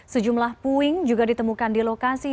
sejumlah puing juga ditemukan di lokasi